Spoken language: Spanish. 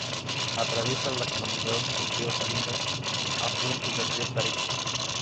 Atraviesa la comunidad el río "Salinas", afluente del río Tarija.